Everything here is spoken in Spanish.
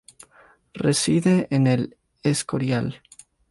Reside en El Escorial.